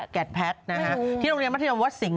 แก๊ดแพทนะฮะที่โรงเรียนมัธยภาพวัฒน์สิ่ง